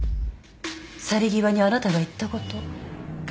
去り際にあなたが言ったこと。